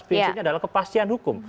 prinsipnya adalah kepastian hukum